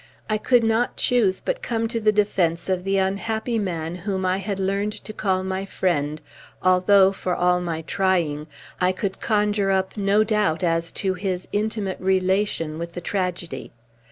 I could not choose but come to the defence of the unhappy man whom I had learned to call my friend, although, for all my trying, I could conjure up no doubt as to his intimate relation with the tragedy.